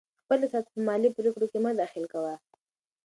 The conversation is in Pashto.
خپل احساسات په مالي پرېکړو کې مه دخیل کوه.